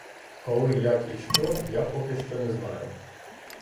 Коли, як і що, я поки що не знаю.